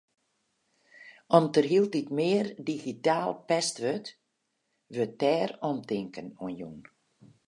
Om't der hieltyd mear digitaal pest wurdt, wurdt dêr omtinken oan jûn.